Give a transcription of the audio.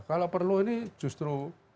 kalau perlu ini justru